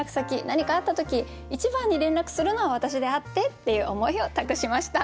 何かあった時一番に連絡するのは私であってっていう思いを託しました。